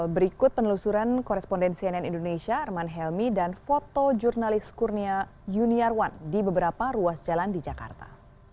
berikut penelusuran korespondensi nn indonesia arman helmi dan foto jurnalis kurnia yuniarwan di beberapa ruas jalan di jakarta